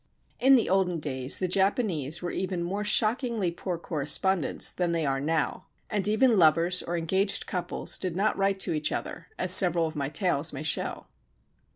In the olden days the Japanese were even more shockingly poor correspondents than they are now, and even lovers or engaged couples did not write to each other, as several of my tales may show.